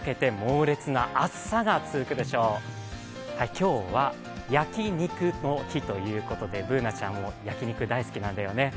今日は焼肉の日ということでＢｏｏｎａちゃんも焼き肉大好きなんだよね。